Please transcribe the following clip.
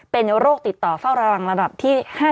เป็นโรคติดต่อเฝ้าระวังระดับที่๕